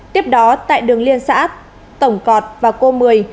tiếp đó tại đường liên xã tổng cọt và cô mười